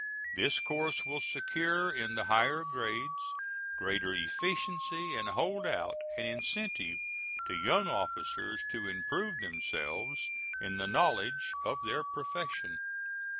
This course will secure in the higher grades greater efficiency and hold out an incentive to young officers to improve themselves in the knowledge of their profession.